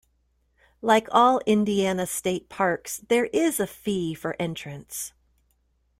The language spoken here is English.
Like all Indiana state parks, there is a fee for entrance.